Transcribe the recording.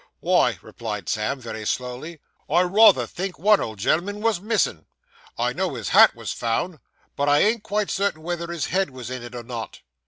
'Why,' replied Sam very slowly, 'I rather think one old gen'l'm'n was missin'; I know his hat was found, but I ain't quite certain whether his head was in it or not.